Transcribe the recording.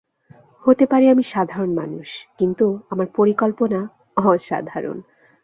হতে পারি আমি সাধারণ মানুষ, কিন্তু আমার পরিকল্পনা অসাধারণ।